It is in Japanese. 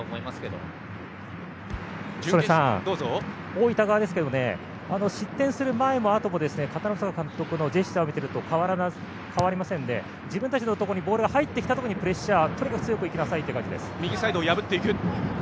曽根さん、大分側ですけど失点する前もあとも片野坂監督のジェスチャーを見ていると変わりませんで自分たちのところにボールが入ってきたときにプレッシャー強くいきなさいという感じです。